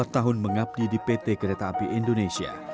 empat tahun mengabdi di pt kereta api indonesia